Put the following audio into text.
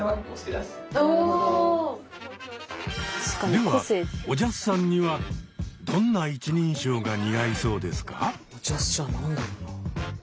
ではおじゃすさんにはどんな一人称が似合いそうですか？